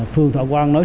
phường thọ quang